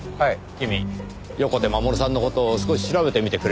君横手護さんの事を少し調べてみてくれませんか？